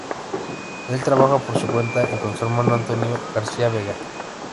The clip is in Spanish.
Él trabaja por su cuenta y con su hermano Antonio García Vega.